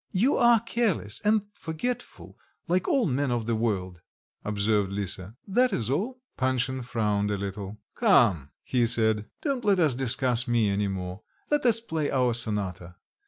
"You are careless and forgetful, like all men of the world," observed Lisa, "that is all." Panshin frowned a little. "Come," he said, "don't let us discuss me any more; let us play our sonata.